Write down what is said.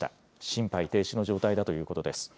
心肺停止の状態だということです。